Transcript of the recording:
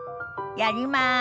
やります。